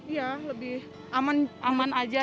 iya lebih aman aja